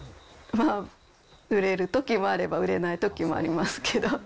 まあ、売れるときもあれば売れないときもありますけど。